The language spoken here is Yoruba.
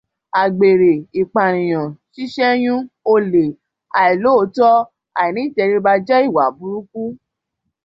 Àgbèrè, ìpànìyàn, ṣíṣẹ́yún, olè, àìlóòótó, àìní-ìtẹríba jẹ́ ìwà burúkú